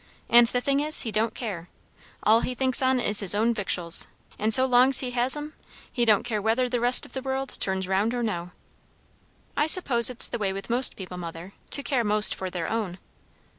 And the thing is, he don't care. All he thinks on is his own victuals; and so long's he has 'em, he don't care whether the rest of the world turns round or no." "I suppose it's the way with most people, mother; to care most for their own."